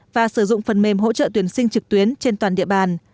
và sử dụng phần mềm hỗ trợ tuyển sinh trực tuyến trên toàn địa bàn